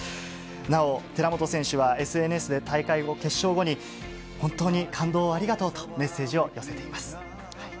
なお、寺本選手はＳＮＳで大会後、決勝後に、本当に感動をありがとうとメッセージを寄せています。